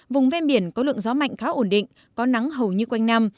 vùng ven biển có lượng gió mạnh khá ổn định có nắng hầu như quanh năm